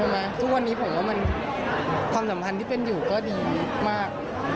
ว่าไงว่าวันนี้ก็เป็นความสัมพันธ์ที่เป็นอยู่ก็ดีมาก